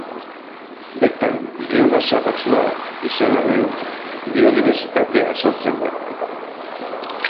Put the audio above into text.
Bertan biomasa baxua izan arren biodibertsitatea sortzen da.